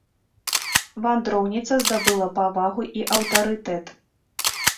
Вандроўніца здабыла павагу і аўтарытэт.